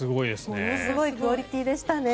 ものすごいクオリティーでしたね。